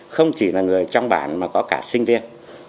không chỉ là người trong bản mà có cả sinh viên